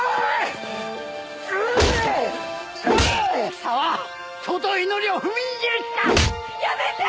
貴様尊い祈りを踏みにじる気か！